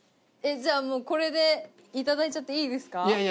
えっじゃあもうこれでいただいちゃっていいですか？